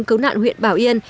cứu nạn huyện bảo yên